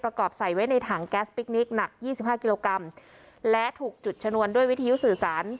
ใส่ไว้ในถังแก๊สพิคนิคหนักยี่สิบห้ากิโลกรัมและถูกจุดชนวนด้วยวิทยุสื่อสาร